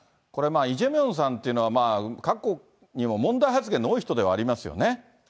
これ、イ・ジェミョンさんというのは、過去にも、問題発言の多い人ではありますよね。